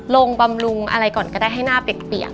บำรุงอะไรก่อนก็ได้ให้หน้าเปียก